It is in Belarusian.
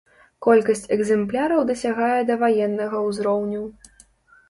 Колькасць экзэмпляраў дасягае даваеннага ўзроўню.